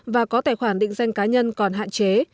và có tài khoản định danh cá nhân còn hạn chế